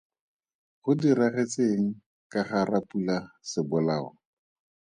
Go diragetse eng ka ga Rapula Sebolao?